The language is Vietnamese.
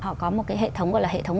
họ có một hệ thống gọi là hệ thống